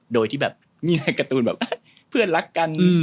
โดยที่แบบนี่ไงการ์ตูนแบบเพื่อนรักกัน